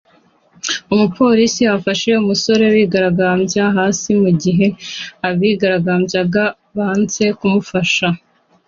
Umupolisi ufasha umusore wigaragambyaga hasi mu gihe abigaragambyaga banze kumufasha